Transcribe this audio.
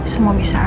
semua bisa aman